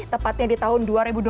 tepatnya di tahun dua ribu dua puluh